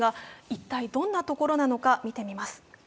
一体どんな所なのか、見てみます。